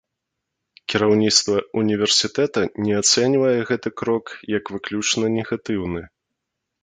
Кіраўніцтва універсітэта не ацэньвае гэты крок як выключна негатыўны.